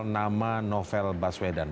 nama novel baswedan